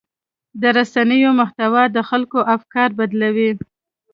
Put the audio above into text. د رسنیو محتوا د خلکو افکار بدلوي.